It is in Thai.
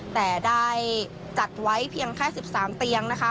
แต่ได้จัดไว้เพียงแค่๑๓เตียงนะคะ